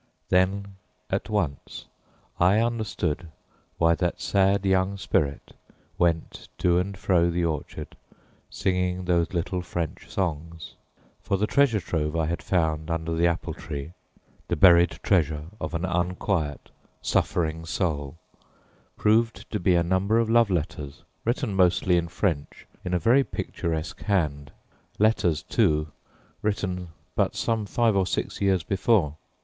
Then at once I understood why that sad young spirit went to and fro the orchard singing those little French songs for the treasure trove I had found under the apple tree, the buried treasure of an unquiet, suffering soul, proved to be a number of love letters written mostly in French in a very picturesque hand letters, too, written but some five or six years before.